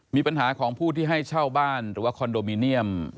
มีปัญหาของผู้ที่ให้เช่าบ้านหรือว่าคอนโดมิเนียม